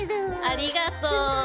ありがとう！